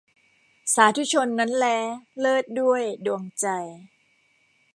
สาธุชนนั้นแล้ เลิศด้วยดวงใจ